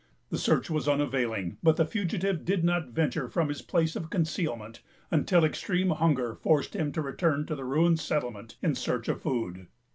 The search was unavailing; but the fugitive did not venture from his place of concealment until extreme hunger forced him to return to the ruined settlement in search of food.